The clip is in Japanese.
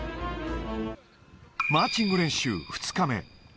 マーチング練習２日目。